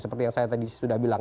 seperti yang saya tadi sudah bilang